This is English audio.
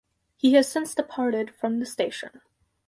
He has since departed from the station.